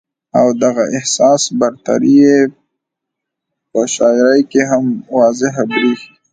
او دغه احساس برتري ئې پۀ شاعرۍ کښې هم واضحه برېښي